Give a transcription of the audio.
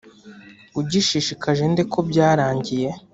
ugishishikaje nde ko byarangiye.